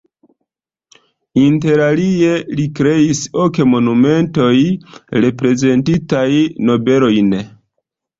Interalie li kreis ok monumentoj reprezentantaj nobelojn.